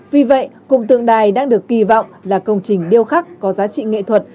vì vậy cùng tượng đài đang được kỳ vọng là công trình điêu khắc có giá trị nghệ thuật